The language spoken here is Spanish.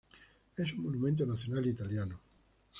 Es monumento nacional Italiano.